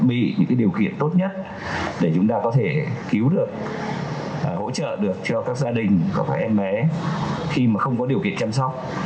và đặc biệt là chúng ta có thể cứu được hỗ trợ được cho các gia đình các em bé khi mà không có điều kiện chăm sóc